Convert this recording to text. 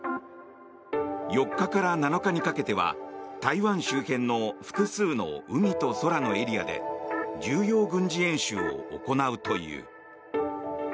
４日から７日にかけては台湾周辺の複数の海と空のエリアで重要軍事演習を行うという。